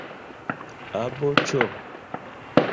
A… B… Ĉ?